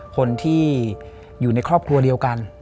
คนที่อยู่ในครอบครัวเดียวกัน